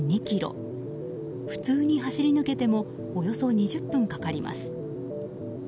普通に走り抜けてもおよそ２０分かかります。